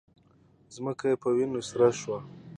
ځمکه یې په وینو سره شوه